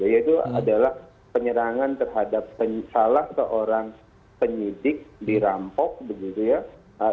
yaitu adalah penyerangan terhadap salah seorang penyidik dirampok begitu ya